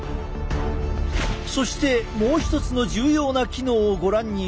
そしてもう一つの重要な機能をご覧に入れよう。